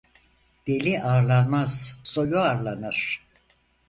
Deli arlanmaz soyu arlanır.